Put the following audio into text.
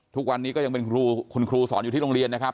ทุกวันนี้ก็ยังเป็นคุณครูสอนอยู่ที่โรงเรียนนะครับ